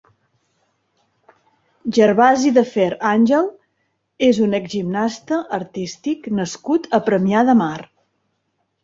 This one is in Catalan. Gervasi Deferr Ángel és un exgimnasta artístic nascut a Premià de Mar.